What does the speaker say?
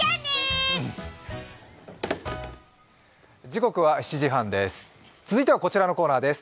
時刻は７時半です。